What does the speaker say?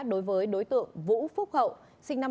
đối với đối tượng vũ phúc hậu sinh năm hai nghìn